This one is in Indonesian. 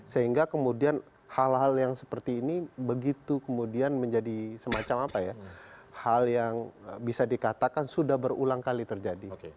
sehingga hal hal yang seperti ini jumlah hal yang bisa dikatakan sudah berulang kali terjadi